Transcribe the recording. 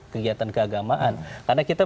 kegiatan keagamaan karena kita